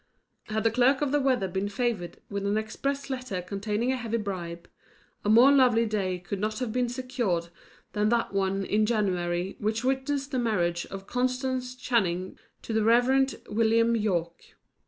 Had the clerk of the weather been favoured with an express letter containing a heavy bribe, a more lovely day could not have been secured than that one in January which witnessed the marriage of Constance Channing to the Rev. William Yorke.